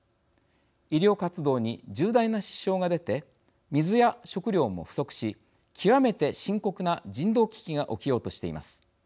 医療活動に重大な支障が出て水や食料も不足し極めて深刻な人道危機が起きようとしています。